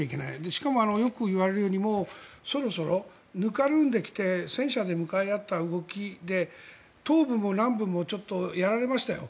しかもよくいわれるようにそろそろぬかるんできて戦車で向かい合った動きで東部も南部もちょっとやられましたよ